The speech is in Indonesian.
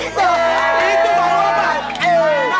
itu baru apa